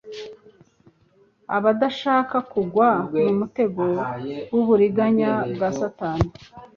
abadashaka kugwa mu mutego w’uburiganya bwa satani